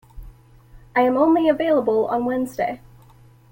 I am only available on Wednesday.